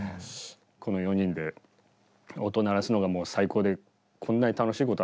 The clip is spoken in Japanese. この４人で音鳴らすのがもう最高でこんなに楽しいことはない。